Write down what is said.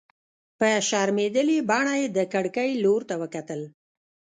په شرمېدلې بڼه يې د کړکۍ لور ته وکتل.